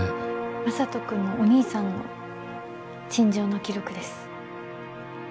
眞人君のお兄さんの陳情の記録です。